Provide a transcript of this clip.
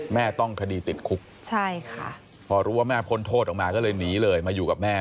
แม่ต้องคดีติดคุกใช่ค่ะพอรู้ว่าแม่พ้นโทษออกมาก็เลยหนีเลยมาอยู่กับแม่